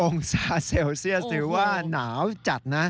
องศาเซลเซียสถือว่าหนาวจัดนะ